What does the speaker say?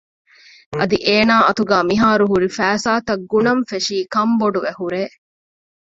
އަދި އޭނާ އަތުގައި މިހާރު ހުރި ފައިސާތައް ގުނަން ފެށީ ކަންބޮޑުވެ ހުރޭ